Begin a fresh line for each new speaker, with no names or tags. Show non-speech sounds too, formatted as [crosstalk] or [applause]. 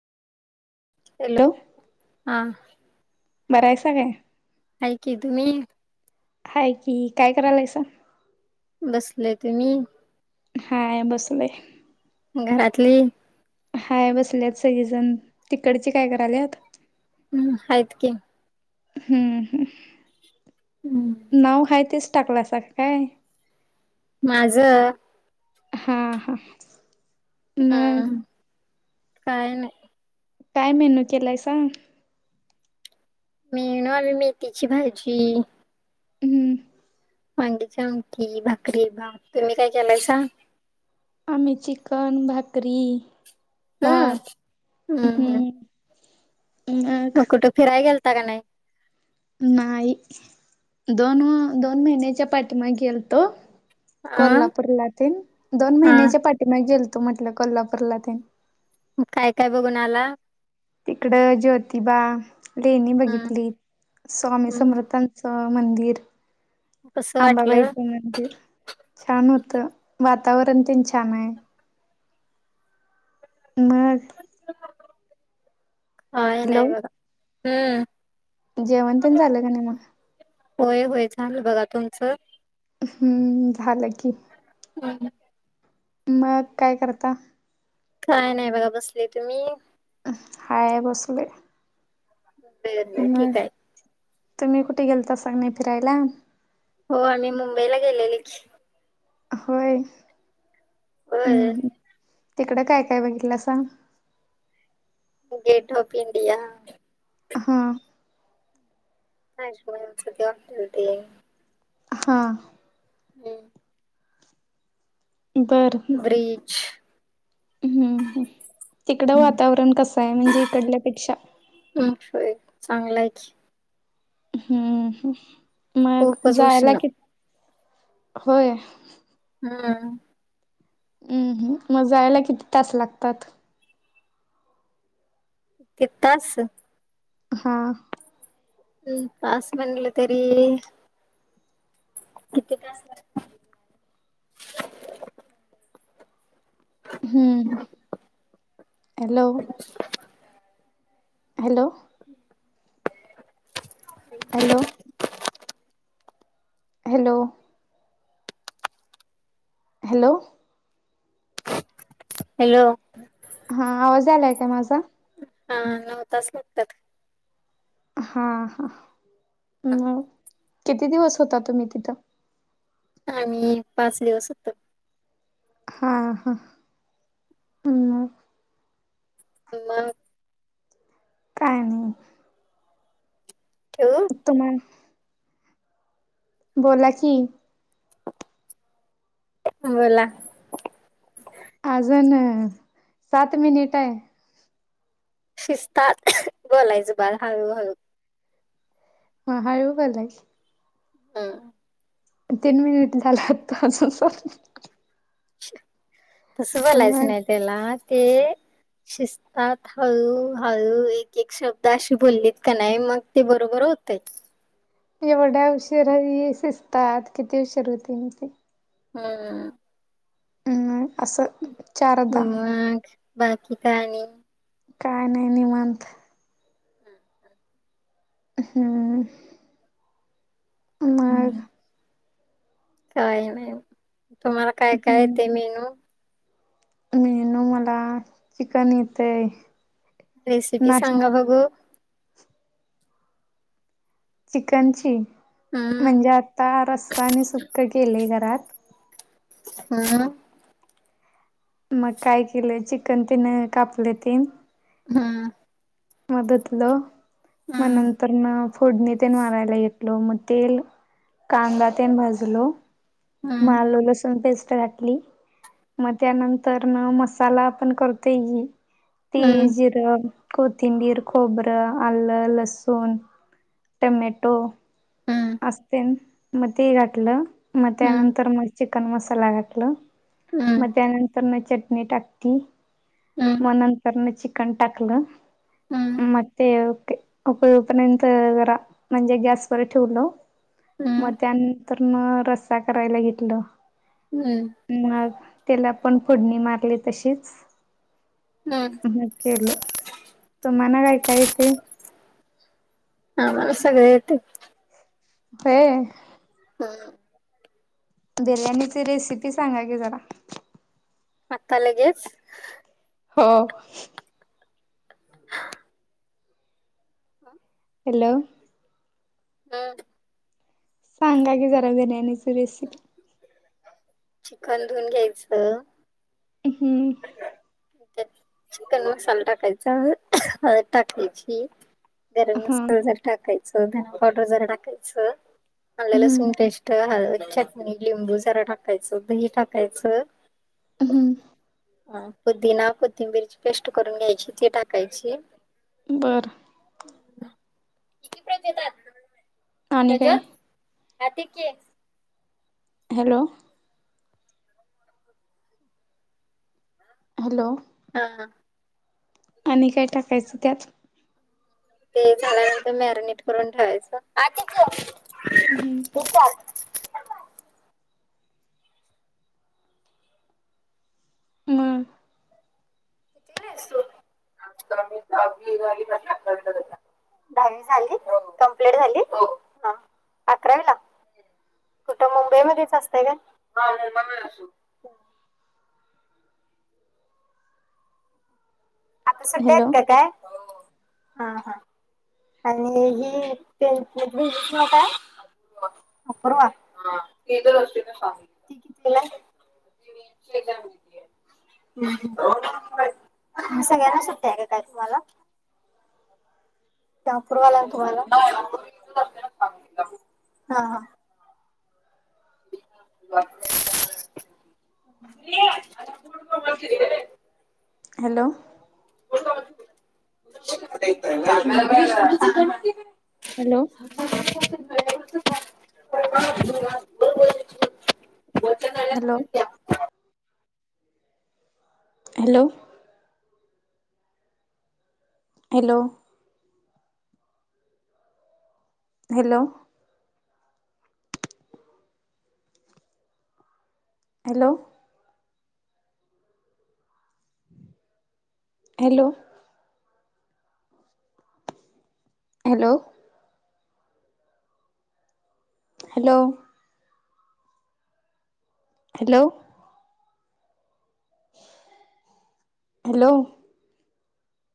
तेला
हॅलो
हा.
बरा आहेसा काय?
हाय की तुम्ही.
हाय की काय करायलायसा.
बसले तुमी.
हा बसलोय.
घरातली.
हाय बसल्यात सगळी जण तिकडची काय कराल्यात.
हम्म हायत की.
हम्म हं.
हम्म.
नाव हाय तेच टाकलासा काय?
माझं.
हा हा.
हा
मग
काय नाय.
काय मेन्यू केलायसा?
मीन वाली मेथीची भाजी
हम्म.
वांग्याची आमटी, भाकरी, भात. तुम्ही काय केलायसा?
आम्ही चिकन, भाकरी,
हम्म
भात हम्म.
मग कुठं फिराय गेलता का नाय?
नाही दोन दोन महिन्याच्या पाठीमा गेलतो.
अ
कोल्हापूरला तेन दोन
हा
महिन्याच्या पाठीमाग गेलतो म्हटलं कोल्हापूरला तेन.
म काय काय बघून आला?
तिकडं ज्योतिबा, लेणी
हम्म
बघितली. स्वामी
हम्म
समर्था च मंदिर,
कसं वाटलं
अंबाबाईचं मंदिर. छान होत, वातावरण तेन छान हाय. मग.
काय
हॅलो
नाय बघा हे.
जेवण तेन झालं का नाय मग?
होय होय झालं बघा, तुमचं?
हम्म झालं की.
हम्म.
मग काय करता?
काय नाय बघा बसले. तुम्ही?
हाय बसलोय.
बर बर
म
ठीक आहे
तुम्ही कुठे गेलतासा क नाय फिरायला?
हो आम्ही मुंबईला गेलेली की.
होय हम्म
होय
हम्म, तिकड काय काय बघितलंसां?
Gate of India.
हा.
ताजमहलच ते हॉटेल ते.
हा.
[inaudible]
बरं.
ब्रिच.
हम्म हम्म तिकडं वातावरण कसंय म्हणजे इकडल्यापेक्षा?
हम्म होय चांगलाय की.
हम्म मग
खूपच
जायला
उष्ण
कि होय.
हम्म.
हम्म हम्म मग जायला किती तास लागतात?
कित तास.
हां.
हम्म तास म्हटलं तरी किती तास?
हम्म hello -
[inaudible]
hello -
[inaudible]
hello - hello hello
hello -
हां आवाज यायलाय का माझा
हा नऊ तास लागतात.
हां हां
हा,
हू किती दिवस होता तुम्ही तिथं.
आम्ही पाच दिवस होतो.
हा हा मग
[unintelligible]
काय नाही.
ठेऊ.
[unintelligible] बोला की.
बोला
अजून सात मिनिट आहे.
शिस्तात [inaudible] बोलायचं बाळ हळूहळू
म हळू बोला
हम्म
तीन मिनिट झालं अजून सात मिनिट.
तस
मग
बोलायचं नाही त्याला ते शिस्त सात हळू हळू एक एक शब्द अशी बोललीत कणी मग ते बरोबर होतय.
एवढ्या उशरही शिस्तात किती उशीर होते मग ते -
हम्
हम्म असं -
मग बाकी काय आणि
काय नाही निवांत.
[inaudible]
हम्म मग
काही नाही तुम्हाला काय काय येतय
हम्म
मेनू
मेनू मला चिकन येतय
रेसिपी
नाश्ता
सांगा बघू
चिकनची
हम्म
म्हणजे आता रस्सा आणि सुक केलय घरात.
हू
मग काय केलंय चिकन तिन कापले तेन
हम्म
म धुतलं म
हम्म
नंतरन फोडणी तेन मारायला घेतलो म तेल कांदा तेन भाजलो. म
हम्म
आलं लसूण पेस्ट घा तली म त्यानंतरन मसाला आपण करतोय ही तिळ, जिर, कोथिंबीर, खोबरं, आलं, लसूण टमॅटो.
हम्म
असते म ते घातलं म
हम्म
त्यानंतर मग चिकन मसाला घातलं म
हम्म
त्यानंतरन चटणी टाकती,
हम्म
मग नंतरन चि कन टाकल.
हम्म
म ते क उकळूपर्यंत जरा म्हणजे गॅसवर ठेवल म
हम्म हम्म
त्यानंतर म रस्सा करायला घेतलं.
हम्म.
मग त्येला पण फोडणी मारली तशीच.
[unintelligible]
म केलो, तूमाना काय काय येतय?
आम्हाला सगळ येतय.
व्हय?
हम्म.
बिर्याणीची रेसिपी सांगा की जरा?
आता लगेच?
हो.
ह. का?
हॅलो,
[unintelligible]
सांगा की जरा बिर्याणीची रेसिपी?
चिकन धुन घ्यायचं.
हम्म.
त्यात चिकन मसाला टाकायचा, ह- हळद टाकायची. गरम
हा
मसाल जरा टाकायच, धनापावडर जरा टाकायचं. आलं
हम्म
लसूण पेस्ट हळद चटणी, लिंबू जरा टाकायचं, दही टाकायचं.
हम्म
हा. पुुदीना, कोथिंबिरीची पेस्ट करून घ्यायची, ती टाकायची.
बरं.
[unintelligible]
आणि
[inaudible]
काय?
कार्तिकी
हॅलो? हॅलो?
हा.
आणि काय टाकायचं त्यात?
ते झाल्यानंतर मॅरिनेट करून ठेवायचं.
हम्म
[inaudible]
म?
[inaudible] दहावी झाली? हो. कंपलिट झाली? हो. हा अकरावीला? कुठं मुंबईमध्येच असतय व्हय? [inaudible] आता सुट्ट्या
हॅलो
हायत का काय? हो. हा हा. आणि ही त्येंच्या बहिणीच नाव काय? अकरा [unintelligible] ती कितवीला हाय? युरीनची [unintelligible] देतेय. सगळ्यांना सुट्ट्या हाय का काय तुम्हाला? त्या पूरवाला ना तुम्हाला हा, हा. [unintelligible]
Hello.
[unintelligible]
Hello. Hello. Hello. Hello. Hello. Hello. [inaudible] Hello. Hello. Hello. Hello. [inaudible] Hello.